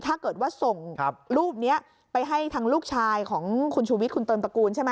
ถ้าเกิดว่าส่งรูปนี้ไปให้ทางลูกชายของคุณชูวิทยคุณเติมตระกูลใช่ไหม